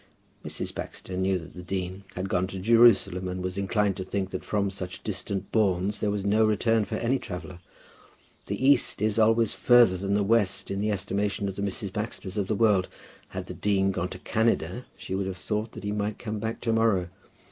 Mrs. Baxter knew that the dean had gone to Jerusalem, and was inclined to think that from such distant bournes there was no return for any traveller. The east is always further than the west in the estimation of the Mrs. Baxters of the world. Had the dean gone to Canada, she would have thought that he might come back to morrow.